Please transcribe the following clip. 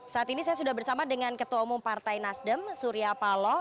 saat ini saya sudah bersama dengan ketua umum partai nasdem surya paloh